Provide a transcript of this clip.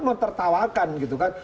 mertertawakan gitu kan